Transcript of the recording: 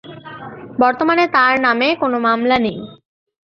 বর্তমানে তাঁর নামে কোনো মামলা নেই।